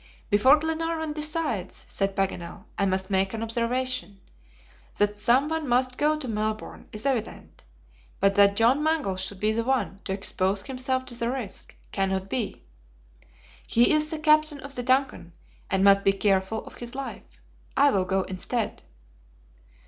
"Before Glenarvan decides," said Paganel, "I must make an observation. That some one must go to Melbourne is evident, but that John Mangles should be the one to expose himself to the risk, cannot be. He is the captain of the DUNCAN, and must be careful of his life. I will go instead."